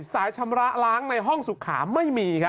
ชำระล้างในห้องสุขาไม่มีครับ